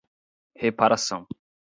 reparação